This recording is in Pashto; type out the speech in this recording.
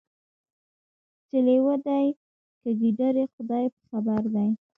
چي لېوه دی که ګیدړ خدای په خبر دی